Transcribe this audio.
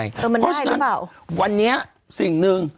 มันได้หรือเปล่าเพราะฉะนั้นวันนี้สิ่งนึง